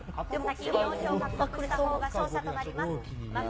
先に４票獲得したほうが勝者となります。